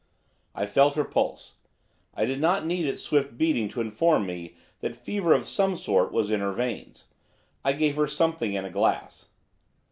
I felt her pulse, it did not need its swift beating to inform me that fever of some sort was in her veins. I gave her something in a glass.